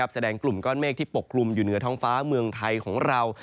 แสดงกลุ่มก้อนเมฆที่ปกกลุ่มอยู่เหนือท้องฟ้าเมืองไทยของเรา